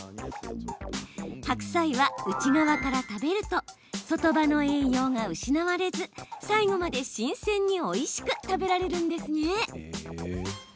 白菜は内側から食べると外葉の栄養が失われず最後まで新鮮においしく食べられるんですね。